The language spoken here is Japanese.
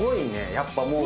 やっぱもう。